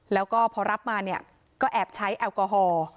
แล้วก็พอรับมาเนี่ยก็แอบใช้แอลกอฮอล์